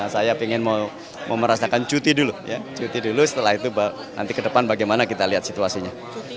saya ingin merasakan cuti dulu setelah itu nanti ke depan bagaimana kita lihat situasinya